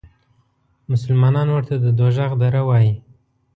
مسلمانان ورته د دوزخ دره وایي.